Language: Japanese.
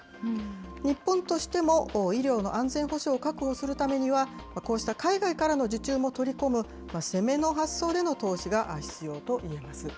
日本としても、医療の安全保障を確保するためには、こうした海外からの受注も取り込む、攻めの発想での投資が必要といえます。